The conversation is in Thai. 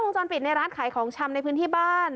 จรปิดในร้านขายของชำในพื้นที่บ้าน